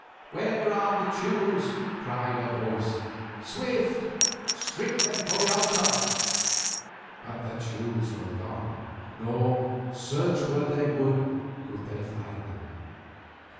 "Where are the Teules?" cried a voice. "Swift! strip them for the altar." But the Teules were gone, nor, search where they would, could they find them.